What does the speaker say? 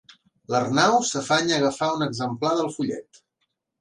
L'Arnau s'afanya a agafar un exemplar del fullet.